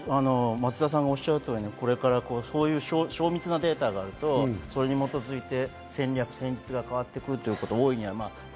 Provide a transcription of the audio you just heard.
松田さんがおっしゃる通り、そういう精密なデータがあるとそれに基づいて戦略、戦術が変わってくるということが大いにあると。